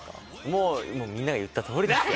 もうみんなが言ったとおりですよ。